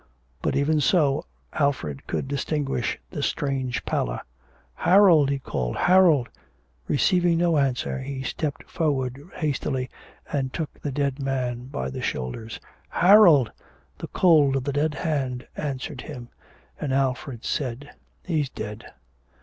But, even so, Alfred could distinguish the strange pallor. 'Harold!' he called, 'Harold!' Receiving no answer, he stepped forward hastily and took the dead man by the shoulders. 'Harold!' The cold of the dead hand answered him, and Alfred said, 'He's dead.'...